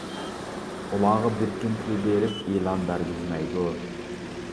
ئۇلارغا بىركىم پۇل بېرىپ ئېلان بەرگۈزمەيدۇ.